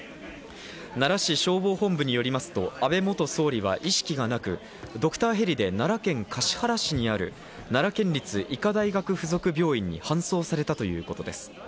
奈良市消防本部によりますと、安倍元総理は意識がなく、ドクターヘリで奈良県橿原市にある奈良県立医科大学附属病院に搬送されたということです。